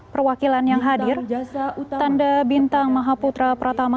perwakilan yang hadir tanda bintang maha putra pratama